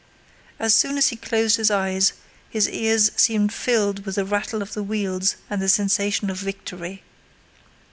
As soon as he closed his eyes his ears seemed filled with the rattle of the wheels and the sensation of victory.